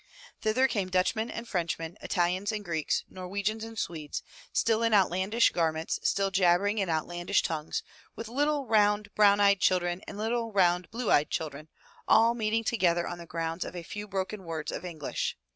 Thither came Dutchmen and Frenchmen, Italians and Greeks, Norwegians and Swedes, still in outlandish garments, still jabber ing in outlandish tongues, with little, round, brown eyed children and little, round, blue eyed children, all meeting together on the grounds of a few broken words of English.